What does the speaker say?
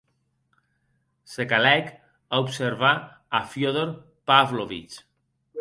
Se calèc a observar a Fiódor Pávlovich.